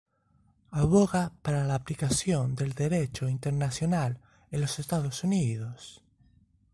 Aboga para la aplicación del derecho internacional en los Estados Unidos.